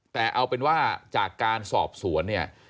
แต่เอาเป็นว่าจากการสอบสวนเนี่ย